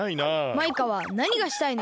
マイカはなにがしたいの？